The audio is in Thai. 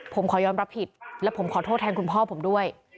ผมขอยอมรับผิดและผมขอโทษแทนคุณพ่อผมด้วย